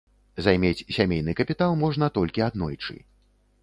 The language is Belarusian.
Займець сямейны капітал можна толькі аднойчы.